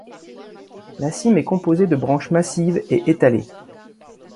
La cime est composée de branches massives et étalées.